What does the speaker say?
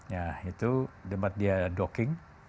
ya itu tempat dia doking